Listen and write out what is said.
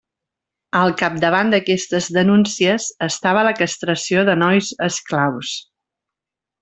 Al capdavant d'aquestes denúncies estava la castració de nois esclaus.